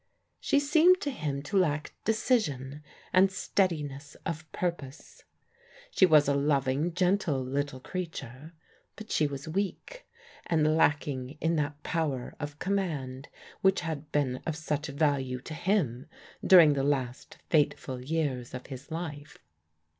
She seemed to him to lack decision, and steadiness of purpose. She was a loving, gentle little creature, but she was weak, and lacking in that power of command which had been of such value to him during the last fateful years of his life.